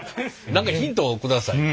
何かヒントを下さい。